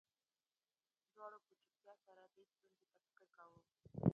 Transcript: دواړو په چوپتیا سره دې ستونزې ته فکر کاوه